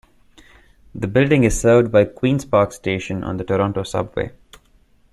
The building is served by Queen's Park Station on the Toronto subway.